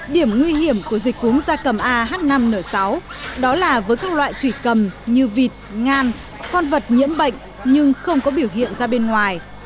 điểm nguy hiểm của dịch cúm da cầm ah năm n sáu đó là với các loại thủy cầm như vịt ngan con vật nhiễm bệnh nhưng không có biểu hiện ra bên ngoài